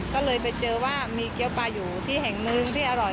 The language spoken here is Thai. ก็เลยไปเจอว่ามีเกี้ยวปลาอยู่ที่แห่งนึงที่อร่อย